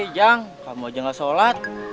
heee jang kamu aja gak sholat